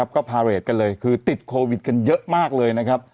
ก็เผาเจ้ากันติดโควิดกันเยอะมากเลย